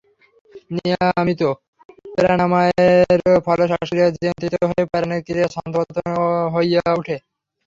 নিয়মিত প্রাণায়ামের ফলে শ্বাসক্রিয়া নিয়ন্ত্রিত হয়, প্রাণের ক্রিয়া ছন্দোবদ্ধ হইয়া উঠে।